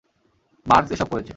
Marks এসব করেছে।